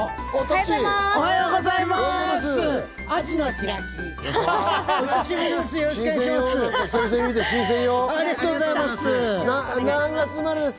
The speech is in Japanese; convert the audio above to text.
おはようございます！